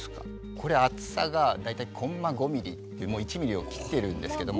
これ厚さが大体コンマ５ミリってもう１ミリを切ってるんですけども。